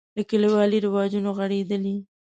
له کلیوالي رواجونو غړېدلی.